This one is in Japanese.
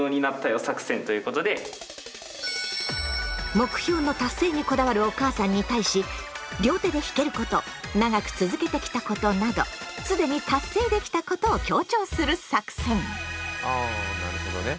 目標の達成にこだわるお母さんに対し両手で弾けること長く続けてきたことなど既に達成できたことを強調する作戦！